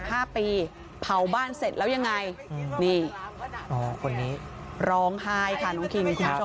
หกห้าปีเผาบ้านเสร็จแล้วยังไง